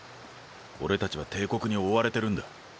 俺たちは帝国に追われてるんだ。